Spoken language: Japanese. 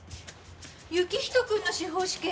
行人君の司法試験